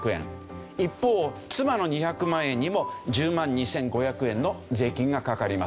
一方妻の２００万円にも１０万２５００円の税金がかかります。